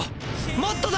もっとだ！